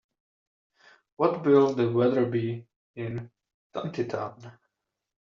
What will the weather be in Tontitown?